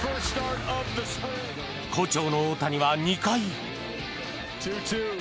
好調の大谷は２回。